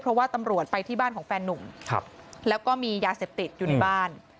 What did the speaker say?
เพราะว่าตำรวจไปที่บ้านของแฟนนุ่มแล้วก็มียาเสพติดอยู่ในบ้าน